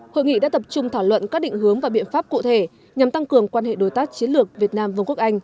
hội nghị đã tập trung thảo luận các định hướng và biện pháp cụ thể nhằm tăng cường quan hệ đối tác chiến lược việt nam vương quốc anh